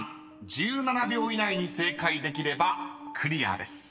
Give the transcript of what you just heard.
１７秒以内に正解できればクリアです］